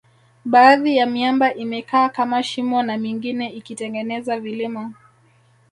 baadhi ya miamba imekaa kama shimo na mingine ikitengeneza vilima